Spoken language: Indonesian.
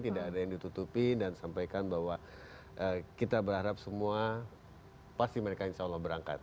tidak ada yang ditutupi dan sampaikan bahwa kita berharap semua pasti mereka insya allah berangkat